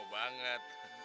kita sih mau banget